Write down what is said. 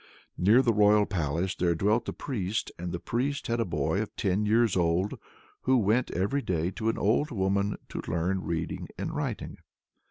Near the royal palace there dwelt a priest, and the priest had a boy of ten years old, who went every day to an old woman to learn reading and writing.